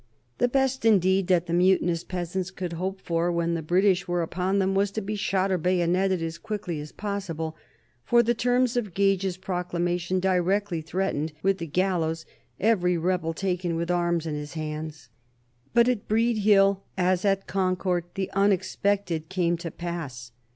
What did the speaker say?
The best indeed that the mutinous peasants could hope for when the British were upon them was to be shot or bayoneted as quickly as possible, for the terms of Gage's proclamation directly threatened with the gallows every rebel taken with arms in his hands. But at Breed Hill, as at Concord, the unexpected came to pass.